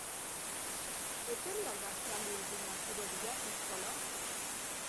Etorri al da zaldi urdina zure bila, poxpolo?